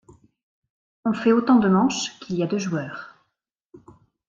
On fait autant de manches qu'il y a de joueurs.